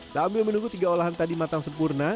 sambil menunggu tiga olahan tadi matang sempurna